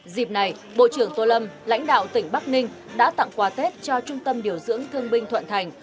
dịp này bộ trưởng tô lâm lãnh đạo tỉnh bắc ninh đã tặng quà tết cho trung tâm điều dưỡng thương binh thuận thành